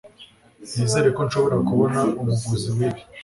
Nizere ko nshobora kubona umuguzi wibi.